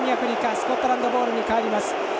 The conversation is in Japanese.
スコットランドボールに変わります。